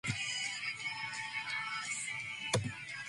Pink Geyser is part of the Pink Cone Group.